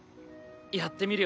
やってみるよ。